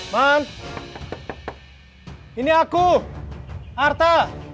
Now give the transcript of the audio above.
man ini aku arta